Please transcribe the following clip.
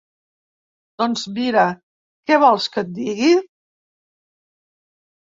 Doncs mira, què vols que et digui?